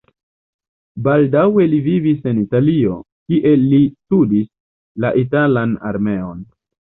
Baldaŭe li vivis en Italio, kie li studis la italan armeon.